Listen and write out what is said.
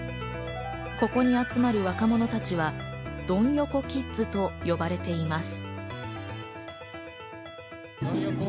ここに集まる若者たちは、ドン横キッズと呼ばれています。